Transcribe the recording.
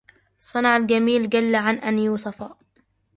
صنع جميل جل عن أن يوصفا